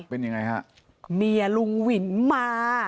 เป็นยังไงฮะเมียลุงวินมา